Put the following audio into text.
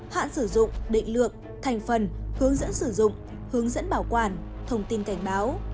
hạn sử dụng định lượng thành phần hướng dẫn sử dụng hướng dẫn bảo quản thông tin cảnh báo